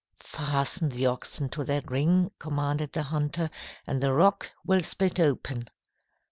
"'Fasten the oxen to that ring,' commanded the hunter, 'and the rock will split open.'